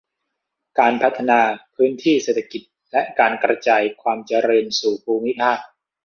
การพัฒนาพื้นที่เศรษฐกิจและการกระจายความเจริญสู่ภูมิภาค